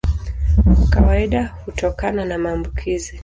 Kwa kawaida hutokana na maambukizi.